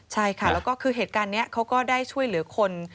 ใช่ค่ะแล้วก็คือเหตุการณ์นี้เขาก็ได้ช่วยเหลือคน